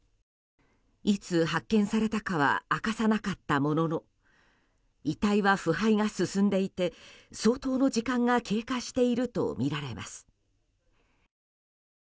いつ発見されたかは明かさなかったものの遺体は腐敗が進んでいて相当の時間が経過しているとみられます。